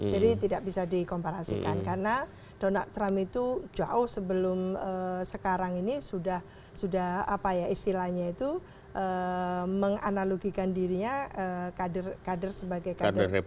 jadi tidak bisa dikomparasikan karena donald trump itu jauh sebelum sekarang ini sudah sudah apa ya istilahnya itu menganalogikan dirinya kader kader sebagai kader